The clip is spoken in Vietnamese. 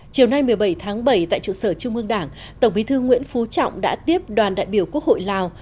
chiều nay một mươi bảy tháng bảy tại trụ sở trung ương đảng tổng bí thư nguyễn phú trọng đã tiếp đoàn đại biểu quốc hội lào